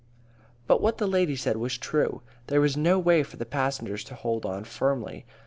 But what the lady said was true. There was no way for the passengers to hold on firmly.